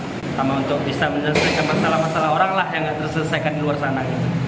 sama untuk bisa menyelesaikan masalah masalah orang lah yang nggak terselesaikan di luar sana